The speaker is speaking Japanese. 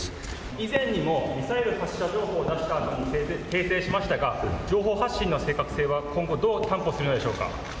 以前にも、ミサイル発射情報を出したあとに訂正しましたが、情報発信の正確性は今後、どう担保するのでしょうか。